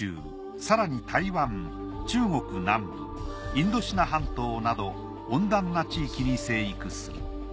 更に台湾中国南部インドシナ半島など温暖な地域に生育する。